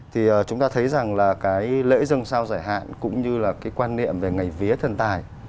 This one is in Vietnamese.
thì chúng ta thấy rằng lễ dừng sao giải hạn cũng như quan niệm về ngày vía thần tài